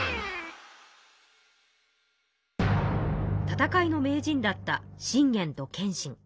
戦いの名人だった信玄と謙信。